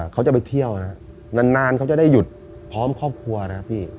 เขาจะไปเที่ยวนะนานเขาจะได้หยุดพร้อมครอบครัวนะพี่